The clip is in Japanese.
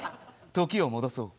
時を戻そう。